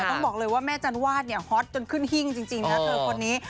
ต้องบอกเลยว่าแม่จันวาดเนี่ยฮอตจนขึ้นหิ้งจริงนะเธอคนนี้